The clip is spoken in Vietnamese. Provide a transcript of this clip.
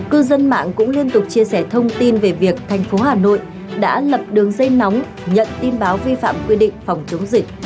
cư dân mạng cũng liên tục chia sẻ thông tin về việc thành phố hà nội đã lập đường dây nóng nhận tin báo vi phạm quy định phòng chống dịch